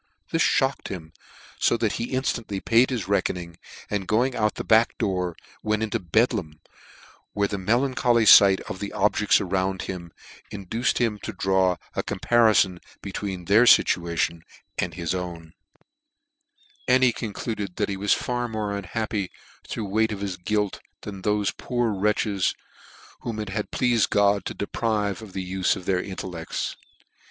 This fhocked him fo that he inftandy paid his reckoning;, and going out at the back door, went into Bedlam, where the melancholy fight of the objects around him, induced him to draw a comparifon between their fi nation and his own j VOL. I. No. 8. O o 290 NEW NEWGATE CALENDAR. and he concluded that he was far more unhappy through ti>e weight of" his guilt, than thofe poor wretches whom it had pleafed God to deprive of the ufe of their intellects.